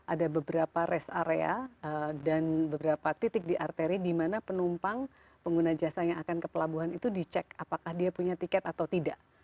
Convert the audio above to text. ada beberapa rest area dan beberapa titik di arteri di mana penumpang pengguna jasa yang akan ke pelabuhan itu dicek apakah dia punya tiket atau tidak